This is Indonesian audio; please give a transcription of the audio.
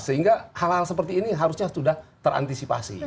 sehingga hal hal seperti ini harusnya sudah terantisipasi